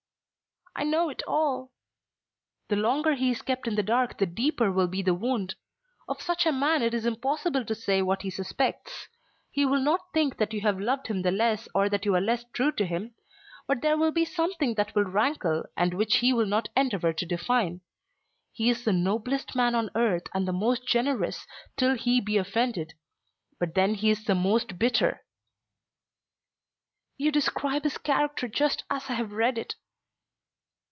"I know it all." "The longer he is kept in the dark the deeper will be the wound. Of such a man it is impossible to say what he suspects. He will not think that you have loved him the less or that you are less true to him; but there will be something that will rankle, and which he will not endeavour to define. He is the noblest man on earth, and the most generous till he be offended. But then he is the most bitter." "You describe his character just as I have read it."